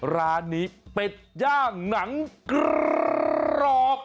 ร้านนี้เป็ดย่างหนังกรอบ